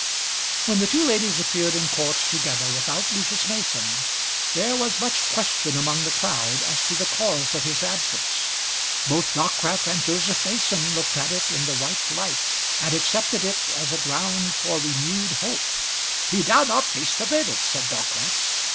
When the two ladies appeared in court together without Lucius Mason there was much question among the crowd as to the cause of his absence. Both Dockwrath and Joseph Mason looked at it in the right light, and accepted it as a ground for renewed hope. "He dare not face the verdict," said Dockwrath.